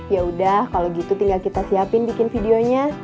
yaudah kalau gitu tinggal kita siapin bikin videonya